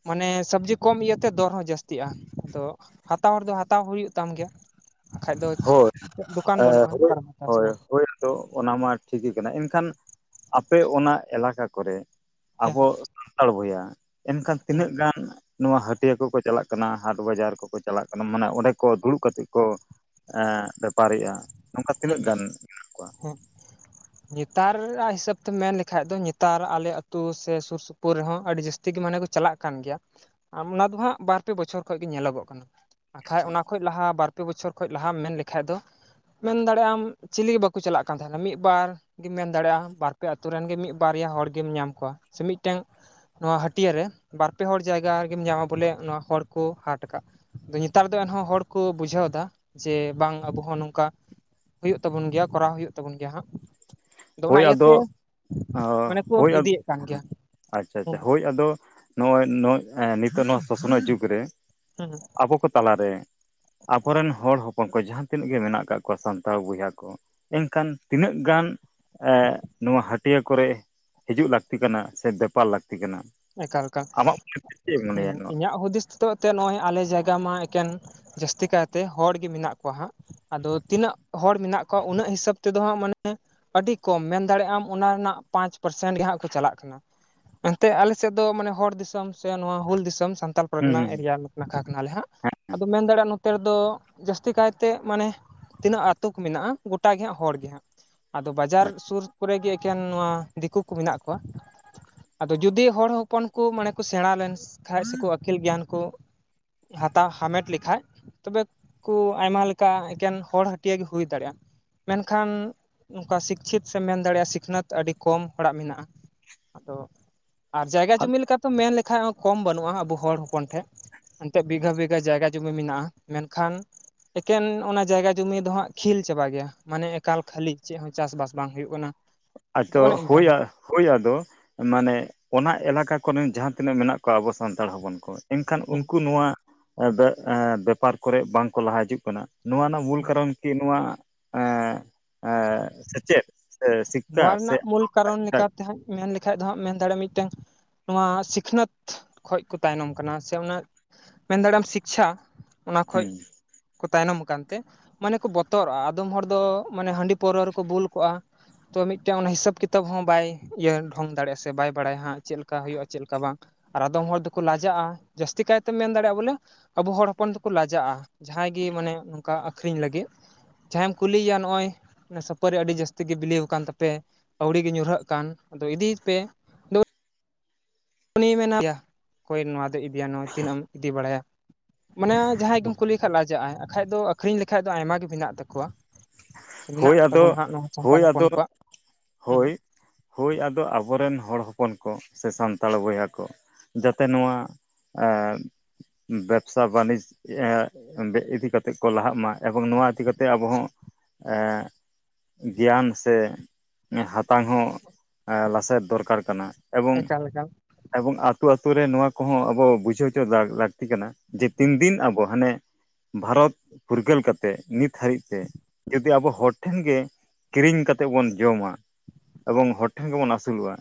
ᱢᱟᱱᱮ ᱥᱟᱵᱡᱤ ᱠᱚᱢ ᱤᱭᱟᱹᱛᱮ ᱫᱚᱨ ᱦᱚᱸ ᱡᱟᱹᱥᱛᱤᱜᱼᱟ ᱟᱫᱚᱜ ᱦᱟᱛᱟᱣ ᱦᱚᱲ ᱫᱚ ᱦᱟᱛᱟᱣ ᱦᱩᱭᱩᱜ ᱛᱟᱢ ᱜᱮᱭᱟ ᱵᱟᱠᱷᱟᱡ ᱫᱚ ᱦᱳᱭ ᱪᱮᱜ ᱫᱩᱠᱟᱱ ᱵᱟᱹᱱᱩᱜᱼᱟ ᱚᱠᱟ ᱨᱮᱢ ᱦᱟᱛᱟᱣᱟ ᱥᱮ ᱵᱟᱝ ᱛᱚ ᱚᱱᱟ ᱢᱟ ᱴᱷᱤᱠ ᱜᱤ ᱠᱟᱱᱟ ᱮᱱᱠᱷᱟᱱ ᱟᱯᱮ ᱚᱱᱟ ᱮᱞᱟᱠᱟ ᱠᱚᱨᱮ ᱦᱮᱸ ᱟᱵᱚ ᱥᱟᱱᱛᱟᱨ ᱵᱚᱭᱦᱟ ᱮᱱᱠᱷᱟᱱ ᱦᱮᱸ ᱛᱤᱱᱟᱹᱜ ᱜᱟᱱ ᱱᱚᱣᱟ ᱦᱟᱹᱴᱤᱭᱟᱹ ᱠᱚᱠᱚ ᱪᱟᱞᱟᱜ ᱠᱟᱱᱟ ᱦᱟᱴ ᱵᱟᱡᱟᱨ ᱠᱚᱠᱚ ᱪᱟᱞᱟᱜ ᱠᱟᱱᱟ ᱢᱟᱱᱮ ᱚᱸᱰᱮ ᱠᱚ ᱫᱩᱲᱩᱜ ᱠᱟᱛᱮᱫ ᱠᱚ ᱵᱮᱯᱟᱨᱮᱜᱼᱟ ᱱᱚᱝᱠᱟ ᱦᱮᱸ ᱛᱤᱱᱟᱹᱜ ᱜᱟᱱ ᱠᱚᱣᱟ ᱦᱮᱸ ᱱᱤᱛᱟᱨ ᱟᱜ ᱦᱤᱥᱟᱹᱵ ᱛᱮᱢ ᱢᱮᱱ ᱞᱮᱠᱷᱟᱡ ᱫᱚ ᱱᱤᱛᱟᱨ ᱟᱞᱮ ᱟᱹᱛᱩ ᱥᱮ ᱥᱩᱨ ᱥᱩ ᱼ ᱯᱩᱨ ᱦᱚᱸ ᱟᱹᱰᱤ ᱡᱟᱹᱥᱛᱤ ᱜᱤ ᱢᱟᱱᱟ ᱠᱚ ᱪᱟᱞᱟᱜ ᱠᱟᱱ ᱜᱮᱭᱟ ᱟᱢ ᱚᱱᱟ ᱫᱚ ᱦᱟᱸᱜ ᱵᱟᱨ ᱯᱮ ᱵᱚᱪᱷᱚᱨ ᱠᱷᱚᱡ ᱜᱮ ᱧᱮᱞᱚᱜᱚᱜ ᱠᱟᱱᱟ ᱟᱠᱷᱟᱡ ᱟᱪᱪᱷᱟ ᱚᱱᱟ ᱠᱷᱚᱡ ᱞᱟᱦᱟ ᱵᱟᱨᱯᱮ ᱵᱚᱪᱷᱚᱨ ᱠᱷᱚᱡ ᱞᱟᱦᱟᱢ ᱢᱮᱱ ᱞᱮᱠᱷᱟᱡ ᱫᱚ ᱢᱮᱱ ᱫᱟᱲᱮ ᱟᱢ ᱪᱤᱞᱤ ᱜᱤ ᱵᱟᱠᱚ ᱪᱟᱞᱟᱜ ᱠᱟᱱ ᱛᱟᱦᱮᱱᱟ ᱢᱤᱜ ᱵᱟᱨ ᱜᱤᱢ ᱢᱮᱱ ᱫᱟᱲᱮ ᱟᱢ ᱵᱟᱨᱯᱮ ᱟᱹᱛᱳ ᱨᱮᱱ ᱜᱮ ᱢᱤᱜ ᱵᱟᱨᱭᱟ ᱦᱚᱲ ᱜᱮᱢ ᱧᱟᱢ ᱠᱚᱣᱟ ᱥᱮ ᱢᱤᱫᱴᱮᱱ ᱱᱚᱣᱟ ᱦᱟᱹᱴᱭᱟᱹᱨᱮ ᱵᱟᱨ ᱯᱮ ᱦᱚᱲ ᱡᱟᱭᱜᱟ ᱟᱨᱜᱮᱢ ᱧᱟᱢᱟ ᱵᱚᱞᱮ ᱱᱚᱣᱟ ᱦᱚᱲ ᱠᱚ ᱦᱟᱴ ᱟᱠᱟ ᱟᱫᱚ ᱱᱮᱛᱟᱨ ᱫᱚ ᱮᱱᱦᱚᱸ ᱦᱚᱲ ᱠᱩ ᱵᱩᱡᱷᱟᱹᱣ ᱮᱫᱟ ᱡᱮ ᱵᱟᱝ ᱟᱵᱚ ᱦᱚᱸ ᱱᱚᱝᱠᱟ ᱦᱩᱭᱩᱜ ᱛᱟᱵᱚᱱ ᱜᱮᱭᱟ ᱠᱚᱨᱟᱣ ᱦᱩᱭᱩᱜ ᱛᱟᱵᱚᱱ ᱜᱮᱭᱟ ᱦᱟᱸᱜ ᱚᱱᱟ ᱦᱳᱭ ᱟᱫᱚ ᱤᱭᱟᱹᱛᱮ ᱢᱟᱱᱮ ᱠᱚ ᱤᱫᱤᱭᱮᱫ ᱠᱟᱱ ᱜᱮᱭᱟ [unintelligible] ᱟᱪᱪᱷᱟ ᱦᱩᱸ ᱟᱪᱪᱷᱟ ᱦᱳᱭ ᱟᱫᱚ ᱱᱚᱜᱼᱚᱭ ᱱᱚᱜ ᱱᱤᱛᱚᱜ ᱱᱚᱣᱟ ᱥᱚᱥᱱᱚᱜ ᱡᱩᱜᱽ ᱨᱮ ᱦᱩᱸ ᱟᱵᱚ ᱠᱚ ᱛᱟᱞᱟᱨᱮ ᱟᱵᱚᱨᱮᱱ ᱦᱚᱲ ᱦᱚᱯᱚᱱ ᱠᱚ ᱡᱟᱦᱟᱸ ᱛᱤᱱᱟᱹᱜ ᱜᱮ ᱢᱮᱱᱟᱜ ᱠᱟᱜ ᱠᱚᱣᱟ ᱥᱟᱱᱛᱟᱲ ᱵᱚᱭᱦᱟ ᱠᱚ ᱮᱱᱠᱷᱟᱱ ᱛᱤᱱᱟᱹᱜ ᱜᱟᱱ ᱱᱚᱣᱟ ᱦᱟᱹᱴᱤᱭᱟ ᱠᱚᱨᱮ ᱦᱤᱡᱩᱜ ᱞᱟᱹᱠᱛᱤ ᱠᱟᱱᱟ ᱥᱮ ᱵᱮᱯᱟᱨ ᱞᱟᱹᱠᱛᱤ ᱠᱟᱱᱟ ᱮᱠᱟᱞ ᱠᱟ ᱟᱢᱟᱜ ᱢᱚᱱᱮᱛᱮ ᱪᱮᱫ ᱮᱢ ᱢᱚᱱᱮᱭᱟ ᱱᱚᱣᱟ ᱤᱧᱟᱹᱜ ᱦᱩᱫᱤᱥᱼᱼ ᱱᱤᱛᱚᱜ ᱛᱮ ᱱᱚᱭ ᱟᱞᱮ ᱡᱟᱭᱜᱟ ᱢᱟ ᱮᱠᱮᱱ ᱡᱟᱹᱥᱛᱤ ᱠᱟᱭᱛᱮ ᱦᱚᱲ ᱜᱮ ᱢᱮᱱᱟᱜ ᱠᱚᱣᱟ ᱦᱟᱸᱜ ᱟᱫᱚ ᱛᱤᱱᱟᱹᱜ ᱦᱚᱲ ᱢᱮᱱᱟᱜ ᱠᱚᱣᱟ ᱩᱱᱟᱹᱜ ᱦᱤᱥᱟᱹᱵ ᱛᱮᱫᱚ ᱦᱟᱸᱜ ᱢᱟᱱᱮ ᱟᱹᱰᱤ ᱠᱚᱢ ᱢᱮᱱ ᱫᱟᱲᱮᱜ ᱟᱢ ᱚᱱᱟ ᱨᱮᱱᱟᱜ ᱯᱟᱸᱪ ᱯᱟᱨᱥᱮᱱ ᱜᱮ ᱦᱟᱸᱜ ᱠᱚ ᱪᱟᱞᱟᱜ ᱠᱟᱱᱟ ᱮᱱᱛᱮ ᱟᱞᱮ ᱥᱮᱫ ᱫᱚ ᱢᱟᱱᱮ ᱦᱚᱲ ᱫᱤᱥᱚᱢ ᱥᱮ ᱱᱚᱣᱟ ᱦᱩᱞ ᱫᱤᱥᱚᱢ ᱥᱟᱱᱛᱟᱞ ᱦᱩᱸ ᱯᱟᱨᱜᱟᱱᱟ ᱦᱩᱸ ᱮᱨᱤᱭᱟ ᱱᱟᱠᱷᱟ ᱠᱟᱱᱟᱞᱮ ᱦᱟᱸᱜ ᱦᱮᱸ ᱦᱮᱸ ᱟᱫᱚ ᱢᱮᱱ ᱫᱟᱲᱮᱭᱟᱜ-ᱟᱢ ᱱᱚᱛᱮ ᱨᱮᱫᱚ ᱡᱟᱹᱥᱛᱤ ᱠᱟᱭᱛᱮ ᱢᱟᱱᱮ ᱛᱤᱱᱟᱹᱜ ᱟᱛᱳ ᱠᱚ ᱢᱮᱱᱟᱜᱼᱟ ᱜᱚᱴᱟ ᱜᱮ ᱦᱟᱸᱜ ᱦᱚᱲ ᱜᱮᱦᱟᱸᱜ ᱟᱫᱚ ᱵᱟᱡᱟᱨ ᱟᱪᱪᱷᱟ ᱥᱩᱨ ᱠᱚᱨᱮ ᱜᱮ ᱮᱠᱮᱱ ᱱᱚᱣᱟ ᱫᱤᱠᱩ ᱠᱚ ᱢᱮᱱᱟᱜ ᱠᱚᱣᱟ ᱟᱫᱚ ᱡᱩᱫᱤ ᱦᱚᱲ ᱦᱚᱯᱚᱱ ᱠᱩ ᱢᱟᱱᱮ ᱠᱚ ᱥᱮᱬᱟ ᱞᱮᱱᱥ ᱠᱷᱟᱱᱡ ᱥᱮᱠᱚ ᱟᱹᱠᱤᱞ ᱜᱮᱭᱟᱱ ᱠᱚ ᱦᱟᱛᱟᱣ ᱦᱟᱢᱮᱴ ᱞᱮᱠᱷᱟᱡ ᱛᱚᱵᱮᱠ ᱠᱩ ᱟᱭᱢᱟ ᱞᱮᱠᱟ ᱮᱠᱮᱱ ᱦᱚᱲ ᱦᱟᱹᱴᱭᱟ ᱜᱮ ᱦᱩᱭ ᱫᱟᱲᱮᱭᱟᱜᱼᱟ ᱢᱮᱱᱠᱷᱟᱱ ᱱᱚᱝᱠᱟ ᱥᱤᱠᱪᱷᱤᱯ ᱥᱮᱢ ᱢᱮᱱ ᱫᱟᱲᱮᱭᱟᱜᱼᱟ ᱥᱤᱠᱷᱱᱟᱹᱛ ᱟᱹᱰᱤ ᱠᱚᱢ ᱦᱚᱲᱟᱜ ᱢᱮᱱᱟᱜᱼᱟ ᱟᱫᱚ ᱟᱨ ᱡᱟᱭᱜᱟ ᱡᱩᱢᱤ ᱞᱮᱠᱟ ᱛᱚ ᱢᱮᱱ ᱞᱮᱠᱷᱟᱡ ᱦᱚᱸ ᱠᱚᱢ ᱵᱟᱹᱱᱩᱜᱼᱟ ᱟᱵᱚ ᱦᱚᱲ ᱦᱚᱯᱚᱱ ᱴᱷᱮᱡ ᱮᱱᱛᱮᱜ ᱵᱤᱜᱷᱟ ᱵᱤᱜᱷᱟ ᱡᱟᱭᱜᱟ ᱡᱩ- ᱢᱤ ᱢᱮᱱᱟᱜᱼᱟ ᱢᱮᱱᱠᱷᱟᱱ ᱮᱠᱮᱱ ᱚᱱᱟ ᱡᱟᱭᱜᱟ ᱡᱚᱢᱤ ᱫᱚ ᱦᱟᱸᱜ ᱠᱷᱤᱞ ᱪᱟᱵᱟ ᱜᱮᱭᱟ ᱢᱟᱱᱮ ᱮᱠᱟᱞ ᱠᱷᱟᱹᱞᱤ ᱪᱮᱜ ᱦᱚᱸ ᱪᱟᱥᱵᱟᱥ ᱵᱟᱝ ᱦᱩᱭᱩᱜ ᱠᱟᱱᱟ ᱛᱚ ᱟᱛᱚ ᱚᱱᱮ ᱚᱱᱠᱟ ᱦᱟᱸᱜ ᱦᱳᱼᱭᱟᱜ ᱦᱳᱭ ᱟᱫᱚ ᱢᱟᱱᱮ ᱚᱱᱟ ᱮᱞᱟᱠᱟ ᱠᱚᱱᱮᱱ ᱡᱟᱦᱟᱸ ᱛᱤᱱᱟᱹᱜ ᱢᱮᱱᱟᱜ ᱠᱚᱣᱟ ᱟᱵᱚ ᱥᱟᱱᱛᱟᱲ ᱦᱚᱯᱚᱱ ᱠᱚ ᱮᱱᱠᱷᱟᱱ ᱦᱮᱸ ᱩᱱᱠᱩ ᱱᱚᱣᱟ ᱮᱵᱮᱜ ᱮᱻ ᱵᱮᱯᱟᱨ ᱠᱚᱨᱮ ᱵᱟᱝ ᱠᱚ ᱞᱟᱦᱟ ᱦᱤᱡᱩᱜ ᱠᱟᱱᱟ ᱱᱚᱣᱟ ᱨᱮᱱᱟᱜ ᱢᱩᱞ ᱦᱮᱸ ᱠᱟᱨᱚᱱ ᱠᱤ ᱱᱚᱣᱟ ᱮ ᱮ ᱥᱮᱪᱮᱫ ᱥᱤᱠᱠᱷᱟ ᱱᱚᱣᱟ ᱥᱮ ᱨᱮᱱᱟᱜ ᱢᱩᱞ ᱠᱟᱨᱚᱱ ᱞᱮᱠᱟᱛᱮ ᱦᱟᱸᱜ ᱢᱮᱱ ᱞᱮᱠᱷᱟᱱ ᱫᱚ ᱦᱟᱸᱜ ᱢᱮᱱ ᱫᱟᱲᱮᱭᱟᱜᱼᱟ ᱢᱤᱫᱴᱮᱱ ᱱᱚᱣᱟ ᱥᱤᱠᱷᱱᱟᱹᱛ ᱠᱷᱚᱡ ᱠᱚ ᱛᱟᱭᱱᱚᱢ ᱠᱟᱱᱟ ᱥᱮ ᱚᱱᱟ ᱢᱮᱱ ᱫᱟᱲᱮᱭᱟᱢ ᱥᱤᱠᱪᱷᱟ ᱚᱱᱟ ᱠᱷᱚᱡ ᱦᱮᱸ ᱠᱚ ᱛᱟᱭᱱᱚᱢ ᱟᱠᱟᱱᱛᱮ ᱢᱟᱱᱮ ᱠᱚ ᱵᱚᱛᱚᱨᱚᱜᱼᱟ ᱟᱫᱚᱢ ᱦᱚᱲ ᱫᱚ ᱢᱟᱱᱮ ᱦᱟᱺᱰᱤ ᱯᱟᱹᱣᱨᱟᱹ ᱨᱮᱠᱚ ᱵᱩᱞ ᱠᱚᱜᱼᱟ ᱛᱚ ᱢᱤᱫᱴᱮᱱ ᱚᱱᱟ ᱦᱤᱥᱟᱹᱵᱽ ᱠᱤᱛᱟᱹᱵᱽ ᱦᱚᱸ ᱵᱟᱭ ᱤᱭᱟᱹ ᱰᱷᱚᱝ ᱫᱟᱲᱮᱭᱟᱜᱼᱟ ᱥᱮ ᱵᱟᱭ ᱵᱟᱲᱟᱭᱟ ᱦᱟᱸᱜ ᱪᱮᱫ ᱞᱮᱠᱟ ᱦᱩᱭᱩᱜᱼᱟ ᱪᱮᱫ ᱞᱮᱠᱟ ᱵᱟᱝ ᱟᱨ ᱟᱫᱚᱢ ᱦᱚᱲ ᱫᱚᱠᱚ ᱞᱟᱡᱟᱜᱼᱟ ᱡᱟᱹᱥᱛᱤ ᱠᱟᱭᱛᱮᱢ ᱢᱮᱱ ᱫᱟᱲᱮᱭᱟᱜᱼᱟ ᱵᱚᱞᱮ ᱟᱵᱚ ᱦᱚᱲ ᱦᱚᱯᱚᱱ ᱫᱚᱠᱚ ᱞᱟᱡᱟᱜᱼᱟ ᱡᱟᱦᱟᱸᱭ ᱜᱮ ᱢᱟᱱᱮ ᱱᱚᱝᱠᱟ ᱟᱹᱠᱷᱨᱤᱧ ᱞᱟᱹᱜᱤᱫ ᱡᱟᱦᱟᱸᱭᱮᱢ ᱠᱩᱞᱤᱭᱮᱭᱟ ᱱᱚᱜᱼᱚᱭ ᱥᱟᱹᱯᱟᱹᱨᱤ ᱟᱹᱰᱤ ᱡᱟᱹᱥᱛᱤ ᱜᱮ ᱵᱤᱞᱤᱣ ᱠᱟᱱ ᱛᱟᱯᱮ ᱟᱹᱣᱲᱤ ᱜᱮ ᱧᱩᱨᱦᱟᱹᱜ ᱠᱟᱱ ᱟᱫᱚ ᱤᱫᱤᱭ ᱯᱮ ᱩᱱᱤᱭ ᱢᱮᱱᱟᱭ ᱚᱠᱚᱭ ᱱᱚᱣᱟ ᱫᱚᱭ ᱤᱫᱤᱭᱟ ᱱᱚᱣᱟ ᱛᱤᱱᱟᱹᱜ ᱮᱢ ᱤᱫᱤ ᱵᱟᱲᱟᱭᱟ ᱢᱟᱱᱮ ᱡᱟᱦᱟᱸᱭ ᱜᱮᱢ ᱠᱩᱞᱤ ᱞᱮᱠᱷᱟᱡ ᱞᱟᱡᱟᱜᱼᱟᱭ ᱵᱟᱠᱷᱟᱡ ᱫᱚ ᱟᱠᱷᱨᱤᱧ ᱞᱮᱠᱷᱟᱡ ᱫᱚ ᱟᱭᱢᱟ ᱜᱮ ᱢᱮᱱᱟᱜ ᱛᱟᱠᱚᱣᱟ ᱥᱮ ᱢᱮᱱᱟᱜ ᱦᱳᱭ ᱟᱫᱚ ᱛᱟᱵᱚᱱᱟ ᱦᱟᱸᱜ ᱱᱚᱣᱟ ᱥᱟᱱᱛᱟᱞ ᱦᱳᱭ ᱦᱚᱯᱚᱱ ᱟᱫᱚ ᱠᱚᱣᱟᱜ ᱦᱩᱸ ᱦᱳᱭ ᱦᱳᱭ ᱟᱫᱚ ᱟᱵᱚᱨᱮᱱ ᱦᱚᱲ ᱦᱚᱯᱚᱱ ᱠᱚ ᱥᱮ ᱥᱟᱱᱛᱟᱲ ᱵᱚᱭᱦᱟ ᱠᱚ ᱡᱟᱛᱮ ᱱᱚᱣᱟ ᱮ ᱵᱮᱵᱽᱥᱟᱭ ᱵᱟᱱᱤᱡᱽ ᱤᱫᱤ ᱠᱟᱛᱮᱜ ᱠᱚ ᱞᱟᱦᱟᱜ ᱢᱟ ᱮᱵᱚᱝ ᱱᱚᱣᱟ ᱤᱫᱤ ᱠᱟ ᱠᱟᱛᱮᱜ ᱟᱵᱚ ᱦᱚᱸ ᱮ ᱜᱮᱭᱟᱱ ᱥᱮ ᱦᱟᱛᱟᱝ ᱦᱚᱸ ᱞᱟᱥᱮᱨ ᱫᱚᱨᱠᱟᱨ ᱠᱟᱱᱟ ᱮᱵᱚᱝ ᱮᱠᱟᱞ ᱮᱠᱟᱞ ᱮᱵᱚᱝ ᱟᱛᱳ ᱟᱛᱳ ᱨᱮ ᱱᱚᱣᱟ ᱠᱚᱦᱚᱸ ᱟᱵᱚ ᱵᱩᱡᱷᱟᱹᱣ ᱦᱚᱪᱚ ᱞᱟᱹᱠᱛᱤ ᱠᱟᱱᱟ ᱡᱮ ᱛᱤᱱᱫᱤᱱ ᱟᱵᱚ ᱦᱟᱱᱮ ᱵᱷᱟᱨᱚᱛ ᱯᱷᱩᱨᱜᱟᱹᱞ ᱠᱟᱛᱮᱜ ᱱᱤᱛ ᱦᱟᱹᱨᱤᱡ ᱛᱮ ᱡᱩᱫᱤ ᱟᱵᱚ ᱦᱚᱲ ᱴᱷᱮᱱ ᱜᱮ ᱠᱤᱨᱤᱧ ᱠᱟᱛᱮᱜ ᱵᱚᱱ ᱡᱚᱢᱟ ᱮᱵᱚᱝ ᱦᱚᱲ ᱴᱷᱮᱱ ᱜᱮᱵᱚᱱ ᱟᱹᱥᱩᱞᱚᱜᱼᱟ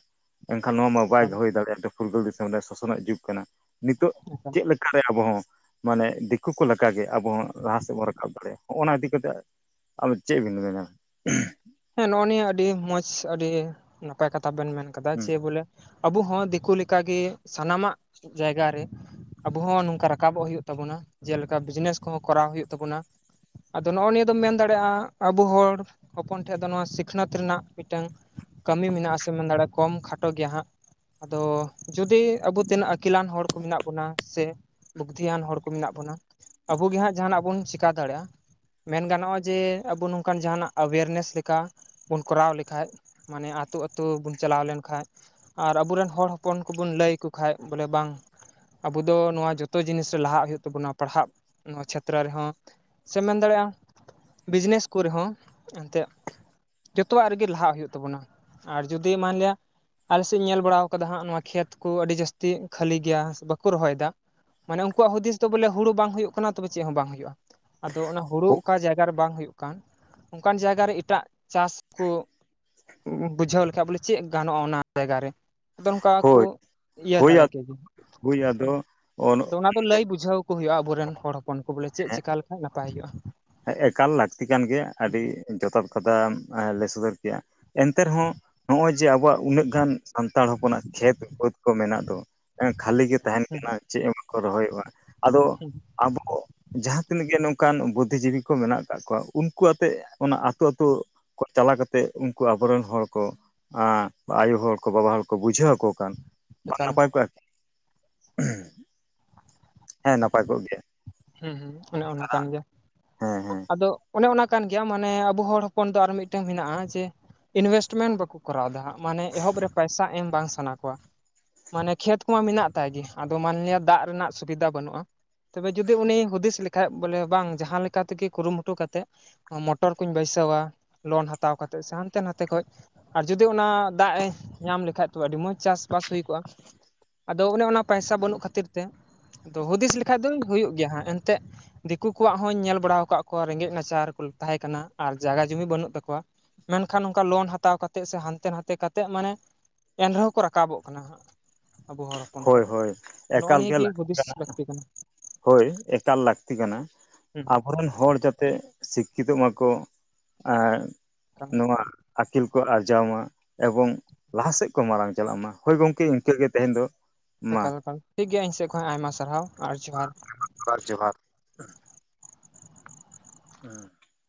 ᱮᱱᱠᱷᱟᱱ ᱱᱚᱣᱟ ᱢᱟ ᱵᱟᱭ ᱮᱠᱟᱞ ᱫᱚᱦᱚᱭ ᱫᱟᱲᱮᱭᱟᱜᱼᱟ ᱯᱷᱩᱨᱜᱟᱹᱞ ᱫᱤᱥᱚᱢ ᱨᱮ ᱥᱚᱥᱚᱱᱟᱜ ᱡᱩᱜᱽ ᱠᱟᱱᱟ ᱱᱤᱛᱚᱜ ᱮᱠᱟᱞ ᱪᱮᱫ ᱞᱮᱠᱟᱨᱮ ᱟᱵᱚ ᱦᱚᱸ ᱢᱟᱱᱮ ᱫᱤᱠᱩ ᱠᱚ ᱞᱮᱠᱟᱜᱮ ᱟᱵᱚ ᱦᱚᱸ ᱞᱟᱦᱟ ᱥᱮᱫ ᱵᱚᱱ ᱨᱟᱠᱟᱵ ᱫᱟᱲᱮᱭᱟᱜᱼᱟ ᱦᱚᱜᱼᱚ ᱚᱱᱟ ᱤᱫᱤ ᱠᱟᱛᱮ ᱟᱫᱚ ᱪᱮᱫ ᱵᱮᱱ ᱢᱮᱱᱟ ᱦᱮᱸ ᱱᱚᱜᱼᱚ ᱱᱤᱭᱟᱹ ᱟᱹᱰᱤ ᱢᱚᱸᱡᱽ ᱟᱹᱰᱤ ᱱᱟᱯᱟᱭ ᱠᱟᱛᱷᱟ ᱵᱮᱱ ᱢᱮᱱ ᱠᱟᱫᱟ ᱡᱮ ᱵᱚᱞᱮ ᱟᱵᱚ ᱦᱚᱸ ᱫᱤᱠᱩ ᱞᱮᱠᱟᱜᱮ ᱥᱟᱱᱟᱢᱟᱜ ᱡᱟᱭᱜᱟ ᱨᱮ ᱟᱵᱚ ᱦᱚᱸ ᱱᱚᱝᱠᱟ ᱨᱟᱠᱟᱵᱚᱜ ᱦᱩᱭᱩᱜ ᱛᱟᱵᱚᱱᱟ ᱡᱮᱞᱮᱠᱟ ᱵᱤᱡᱽᱱᱮᱥ ᱠᱚᱦᱚᱸ ᱠᱚᱨᱟᱣ ᱦᱩᱭᱩᱜ ᱛᱟᱵᱚᱱᱟ ᱟᱫᱚ ᱱᱚᱜᱼᱚᱭ ᱱᱤᱭᱟᱹ ᱫᱚᱢ ᱢᱮᱱ ᱫᱟᱲᱮᱭᱟᱜᱼᱟ ᱟᱵᱚ ᱦᱚᱲ ᱦᱚᱯᱚᱱ ᱴᱷᱮᱱ ᱫᱚ ᱱᱚᱣᱟ ᱥᱤᱠᱷᱱᱟᱹᱛ ᱨᱮᱱᱟᱜ ᱢᱤᱫᱴᱟᱝ ᱠᱟᱹᱢᱤ ᱢᱮᱱᱟᱜ ᱥᱮ ᱢᱮᱱ ᱫᱟᱲᱮᱭᱟᱜᱼᱟ ᱠᱚᱢ ᱠᱷᱟᱴᱚ ᱜᱮᱭᱟ ᱦᱟᱸᱜ ᱟᱫᱚ ᱡᱩᱫᱤ ᱟᱵᱚ ᱛᱤᱱᱟᱹᱜ ᱟᱹᱠᱤᱞᱟᱱ ᱦᱚᱲ ᱠᱚ ᱢᱮᱱᱟᱜ ᱵᱚᱱᱟ ᱥᱮ ᱵᱩᱫᱽᱫᱷᱤᱭᱟᱱ ᱦᱚᱲ ᱠᱚ ᱢᱮᱱᱟᱜ ᱵᱚᱱᱟ ᱟᱵᱚ ᱜᱮ ᱦᱟᱸᱜ ᱡᱟᱦᱟᱱᱟᱜ ᱵᱚᱱ ᱪᱮᱠᱟ ᱫᱟᱲᱮᱭᱟᱜᱼᱟ ᱢᱮᱱ ᱜᱟᱱᱚᱜᱼᱟ ᱡᱮ ᱟᱵᱚ ᱱᱚᱝᱠᱟᱱ ᱡᱟᱦᱟᱱᱟᱜ ᱮᱣᱮᱨᱱᱮᱥ ᱞᱮᱠᱟ ᱵᱚᱱ ᱠᱚᱨᱟᱣ ᱞᱮᱠᱷᱟᱡ ᱢᱟᱱᱮ ᱟᱛᱳ ᱟᱛᱳ ᱵᱚᱱ ᱪᱟᱞᱟᱣ ᱞᱮᱱᱠᱷᱟᱱ ᱟᱨ ᱟᱵᱚᱨᱮᱱ ᱦᱚᱲ ᱦᱚᱯᱚᱱ ᱠᱚᱵᱚᱱ ᱞᱟᱹᱭ ᱟᱠᱚ ᱠᱷᱟᱱ ᱵᱚᱞᱮ ᱵᱟᱝ ᱟᱵᱚ ᱫᱚ ᱱᱚᱣᱟ ᱡᱚᱛᱚ ᱡᱤᱱᱤᱥ ᱨᱮ ᱞᱟᱦᱟᱜ ᱦᱩᱭᱩᱜ ᱛᱟᱵᱚᱱᱟ ᱯᱟᱲᱦᱟᱜ ᱱᱚᱣᱟ ᱪᱷᱮᱛᱨᱚ ᱨᱮᱦᱚᱸ ᱥᱮᱢ ᱢᱮᱱ ᱫᱟᱲᱮᱭᱟᱜᱼᱟ ᱵᱤᱡᱽᱱᱮᱥ ᱠᱚᱨᱮ ᱦᱚᱸ ᱮᱱᱛᱮᱫ ᱡᱚᱛᱚᱣᱟᱜ ᱨᱮᱜᱮ ᱞᱟᱦᱟᱜ ᱦᱩᱭᱩᱜ ᱛᱟᱵᱚᱱᱟ ᱟᱨ ᱡᱩᱫᱤ ᱢᱟᱱᱞᱤᱭᱟ ᱟᱞᱮ ᱥᱮᱫ ᱤᱧ ᱧᱮᱞ ᱵᱟᱲᱟ ᱠᱟᱫᱟ ᱦᱟᱸᱜ ᱱᱚᱣᱟ ᱠᱷᱮᱛ ᱠᱚ ᱟᱹᱰᱤ ᱡᱟᱹᱥᱛᱤ ᱠᱷᱟᱹᱞᱤ ᱜᱮᱭᱟ ᱵᱟᱠᱚ ᱨᱚᱦᱚᱭᱮᱫᱟ ᱢᱟᱱᱮ ᱩᱱᱠᱩᱣᱟᱜ ᱦᱩᱫᱤᱥ ᱫᱚ ᱵᱚᱞᱮ ᱦᱩᱲᱩ ᱵᱟᱝ ᱦᱩᱭᱩᱜ ᱠᱟᱱᱟ ᱛᱚᱵᱮ ᱪᱮᱫ ᱦᱚᱸ ᱵᱟᱝ ᱦᱩᱭᱩᱜᱼᱟ ᱟᱫᱚ ᱚᱱᱟ ᱦᱩᱲᱩ ᱚᱠᱟ ᱡᱟᱭᱜᱟ ᱨᱮ ᱵᱟᱝ ᱦᱩᱭᱩᱜ ᱠᱟᱱ ᱚᱱᱠᱟᱱ ᱡᱟᱭᱜᱟᱟᱨ ᱨᱮ ᱮᱴᱟᱜ ᱪᱟᱥ ᱠᱚ ᱵᱩᱡᱷᱟᱹᱣ ᱞᱮᱠᱷᱟᱡ ᱵᱚᱞᱮ ᱪᱮᱫ ᱜᱟᱱᱚᱜᱼᱟ ᱚᱱᱟ ᱡᱟᱭᱜᱟ ᱨᱮ ᱟᱫᱚ ᱱᱚᱝᱠᱟ ᱠᱚ ᱦᱳᱭ ᱤᱭᱟᱹ ᱦᱳᱭ ᱫᱟᱲᱮ ᱠᱮ ᱦᱮ ᱦᱳᱭ ᱟᱫᱚ ᱚᱱ ᱟᱫᱚ ᱚᱱᱟ ᱫᱚ ᱞᱟᱹᱭ ᱵᱩᱡᱷᱟᱹᱣ ᱦᱩᱭᱩᱜᱼᱟ ᱟᱵᱚᱨᱮᱱ ᱦᱚᱲ ᱦᱚᱯᱚᱱ ᱠᱚ ᱵᱚᱞᱮ ᱪᱮᱫ ᱪᱤᱠᱟ ᱞᱮᱠᱷᱟᱱ ᱱᱟᱯᱟᱭ ᱦᱩᱭᱩᱜᱼᱟ ᱮᱠᱟᱞ ᱞᱟᱹᱠᱛᱤ ᱠᱟᱱ ᱜᱮᱭᱟ ᱦᱩᱸ ᱟᱹᱰᱤ ᱡᱚᱛᱷᱟᱛ ᱠᱟᱛᱷᱟᱢ ᱞᱟᱹᱭ ᱥᱚᱫᱚᱨ ᱠᱮᱭᱟ ᱮᱱᱛᱮ ᱨᱮᱦᱚᱸ ᱱᱚᱜᱼᱚᱭ ᱡᱮ ᱟᱵᱚᱣᱟᱜ ᱩᱱᱟᱹᱜ ᱜᱟᱱ ᱥᱟᱱᱛᱟᱲ ᱦᱚᱯᱚᱱᱟᱜ ᱠᱷᱮᱛ ᱵᱟᱹᱛ ᱠᱚ ᱢᱮᱱᱟᱜ ᱫᱚ ᱠᱷᱟᱹᱞᱤ ᱜᱮ ᱛᱟᱦᱮᱱ ᱠᱟᱱᱟ ᱪᱮᱫ ᱦᱚᱸ ᱵᱟᱠᱚ ᱨᱚᱦᱚᱭᱚᱜᱼᱟ ᱟᱫᱚ ᱦᱮᱸ ᱟᱵᱚ ᱡᱟᱦᱟᱸ ᱛᱤᱱᱟᱹᱜ ᱜᱮ ᱱᱚᱝᱠᱟᱱ ᱵᱩ ᱡᱤᱵᱤ ᱠᱚ ᱢᱮᱱᱟᱜ ᱟᱠᱟᱫ ᱠᱚᱣᱟ ᱩᱱᱠᱩ ᱟᱛᱮᱜ ᱚᱱᱟ ᱟᱹᱛᱩ ᱟᱹᱛᱩ ᱪᱟᱞᱟ ᱠᱟᱛᱮᱮᱫ ᱩᱱᱠᱩ ᱟᱵᱚᱨᱮᱱ ᱦᱚᱲ ᱠᱚ ᱟᱸ ᱟᱭᱳ ᱦᱚᱲ ᱠᱚ ᱵᱟᱵᱟ ᱦᱚᱲ ᱠᱚ ᱵᱩᱡᱷᱟᱹᱣ ᱟᱠᱚ ᱠᱷᱟᱱ ᱵᱟᱝ ᱮᱠᱟᱞ ᱱᱟᱯᱟᱭ ᱠᱚᱜᱼᱟ ᱠᱤ ᱦᱮᱸ ᱱᱟᱯᱟᱭ ᱠᱚᱜ ᱜᱮᱭᱟ ᱦᱮᱸ ᱦᱮᱸ ᱚᱱᱮ ᱚᱱᱟ ᱠᱟᱱ ᱜᱮᱭᱟ ᱦᱮᱸ ᱦᱮᱸ ᱟᱫᱚ ᱚᱱᱮ ᱚᱱᱟ ᱠᱟᱱ ᱜᱮᱭᱟᱢ ᱢᱟᱱᱮ ᱟᱵᱚ ᱦᱚᱲ ᱦᱚᱯᱚᱱ ᱫᱚ ᱟᱨ ᱢᱤᱫᱴᱮᱱ ᱢᱮᱱᱟᱜᱼᱟ ᱡᱮ ᱤᱱᱵᱷᱮᱥᱴᱢᱮᱱᱴ ᱵᱟᱠᱚ ᱠᱚᱨᱟᱣᱮᱫᱟ ᱦᱟᱜ ᱢᱟᱱᱮ ᱮᱦᱚᱵ ᱨᱮ ᱯᱟᱭᱥᱟ ᱮᱢ ᱵᱟᱝ ᱥᱟᱱᱟ ᱠᱣᱟ ᱢᱟᱱᱮ ᱠᱷᱮᱛ ᱠᱚᱢᱟ ᱢᱮᱱᱟᱜ ᱛᱟᱭ ᱜᱮ ᱟᱫᱚ ᱢᱟᱱᱞᱤᱭᱟ ᱫᱟᱜ ᱨᱮᱱᱟᱜ ᱥᱩᱵᱤᱫᱟ ᱵᱟᱹᱱᱩᱜᱼᱟ ᱡᱩᱚᱫᱤ ᱩᱱᱤ ᱦᱩᱫᱤᱥ ᱞᱮᱠᱷᱟᱡ ᱵᱚᱞᱮ ᱵᱟᱝ ᱡᱟᱦᱟᱸ ᱞᱮᱠᱟ ᱛᱮᱜᱮ ᱠᱩᱨᱩᱢᱩᱴᱩ ᱠᱟᱛᱮᱫ ᱢᱚᱴᱚᱨ ᱠᱩᱧ ᱵᱟᱹᱭᱥᱟᱹᱣᱟ ᱞᱳᱱ ᱦᱟᱛᱟᱣ ᱠᱟᱛᱮᱜ ᱥᱮ ᱦᱟᱱᱛᱮ ᱱᱟᱛᱮ ᱠᱷᱚᱡ ᱟᱨ ᱡᱩᱫᱤ ᱚᱱᱟ ᱫᱟᱜ ᱮ ᱧᱟᱢ ᱞᱮᱠᱟᱱᱡ ᱛᱚ ᱟᱹᱰᱤ ᱢᱚᱸᱡᱽ ᱪᱟᱥᱵᱟᱥ ᱦᱩᱭ ᱠᱚᱜᱼᱟ ᱟᱫᱚ ᱚᱱᱮ ᱚᱱᱟ ᱯᱚᱭᱥᱟ ᱵᱟᱹᱱᱩᱜ ᱠᱷᱟᱹᱛᱤᱨ ᱛᱮ ᱟᱫᱚ ᱦᱩᱫᱤᱥ ᱞᱮᱠᱷᱟᱡ ᱫᱚ ᱦᱩᱭᱩᱜ ᱜᱮᱭᱟ ᱦᱟᱸᱜ ᱮᱱᱛᱮᱫ ᱫᱤᱠᱩ ᱠᱚᱣᱟᱜ ᱦᱚᱧ ᱧᱮᱞ ᱵᱟᱲᱟ ᱟᱠᱟᱫ ᱠᱚᱣᱟ ᱨᱮᱸᱜᱮᱡ ᱱᱟᱪᱟᱨ ᱠᱚ ᱛᱟᱦᱮᱸ ᱠᱟᱱᱟ ᱟᱨ ᱡᱟᱭᱜᱟ ᱡᱩᱢᱤᱤ ᱵᱟᱹᱱᱩᱜ ᱛᱟᱠᱚᱣᱟ ᱢᱮᱱᱠᱷᱟᱱ ᱚᱱᱠᱟ ᱞᱳᱱ ᱦᱟᱛᱟᱣ ᱠᱟᱛᱮᱜ ᱥᱮ ᱦᱟᱱᱛᱮ ᱱᱟᱛᱮ ᱠᱟᱛᱮ ᱢᱟᱱᱮ ᱮᱱ ᱨᱮᱦᱚᱸ ᱠᱚ ᱨᱟᱠᱟᱵᱚᱜ ᱠᱟᱱᱟ ᱦᱟᱸᱜ ᱟᱵᱚ ᱦᱚᱲ ᱦᱚᱯᱚᱱ ᱦᱳᱭ ᱠᱷᱚᱡ ᱦᱳᱭ ᱱᱚᱜᱼᱚ ᱮᱠᱟᱞ ᱜᱮ ᱱᱤᱭᱟᱹᱟᱹᱜᱤ ᱦᱩᱫᱤᱥ ᱞᱟᱹᱠᱛᱤ ᱠᱟᱱᱟ ᱦᱳᱭ ᱮᱠᱟᱞ ᱞᱟᱹᱠᱛᱤ ᱠᱟᱱᱟ ᱦᱩᱸ ᱟᱵᱚᱨᱮᱱ ᱦᱚᱲ ᱡᱟ ᱛᱮ ᱥᱤᱠᱠᱷᱤᱛᱚᱜ ᱢᱟᱠᱚ ᱟᱨ ᱦᱩᱸ ᱱᱚᱣᱟ ᱟᱹᱠᱤᱞ ᱠᱚ ᱟᱨᱡᱟᱣ ᱢᱟ ᱮᱵᱚᱝ ᱞᱟᱦᱟᱟᱥᱮᱫ ᱠᱚ ᱢᱟᱨᱟᱝ ᱪᱟᱞᱟᱜ ᱢᱟ ᱦᱳᱭ ᱜᱚᱢᱠᱮ ᱤᱱᱠᱟᱹᱜ ᱜᱮ ᱛᱮᱦᱮᱧ ᱫᱚ ᱢᱟ ᱮᱠᱟᱞ ᱮᱠᱟᱞ ᱴᱷᱤᱠ ᱜᱮᱭᱟ ᱤᱧ ᱥᱮᱫ ᱠᱷᱚᱱ ᱟᱭᱢᱟ ᱥᱟᱨᱦᱟᱣ ᱟᱨ ᱡᱚᱦᱟᱨ ᱵᱟᱨ ᱡᱚᱦᱟᱨ ᱦᱩᱸ